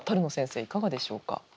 野先生いかがでしょうか？